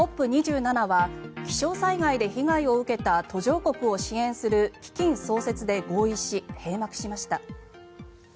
２７は気象災害で被害を受けた途上国を支援する基金創設で合意し閉幕しました。